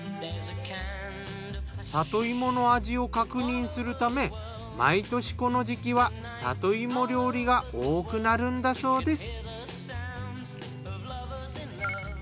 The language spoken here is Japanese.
里芋の味を確認するため毎年この時期は里芋料理が多くなるんだそうです。